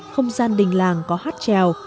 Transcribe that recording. không gian đình làng có hát trèo